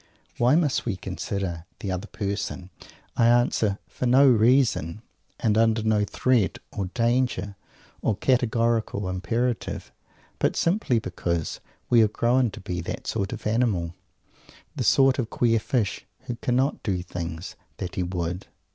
"Why must we consider the other person?" I answer for no reason, and under no threat or danger or categorical imperative; but simply because we have grown to be the sort of animal, the sort of queer fish, who cannot do the things "that he would"!